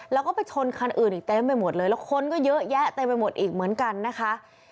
แล้วก็ไปชนคันอื่นอีกเต็มไปหมดเลยแล้วคนก็เยอะแยะเต็มไปหมดอีกเหมือนกันนะคะ